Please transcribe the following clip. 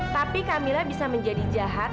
tapi camilla bisa menjadi jahat